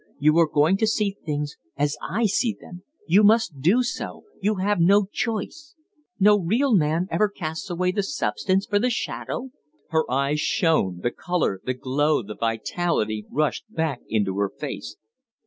You are going to see things as I see them you must do so you have no choice. No real man ever casts away the substance for the shadow!" Her eyes shone the color, the glow, the vitality, rushed back into her face.